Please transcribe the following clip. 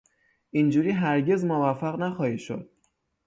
اینجوری هرگز موفق نخواهی شد.